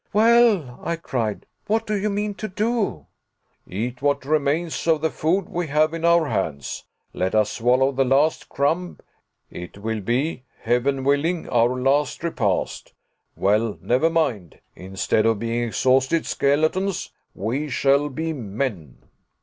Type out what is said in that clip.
"Well," I cried, "what do you mean to do?" "Eat what remains of the food we have in our hands; let us swallow the last crumb. It will bel Heaven willing, our last repast. Well, never mind instead of being exhausted skeletons, we shall be men."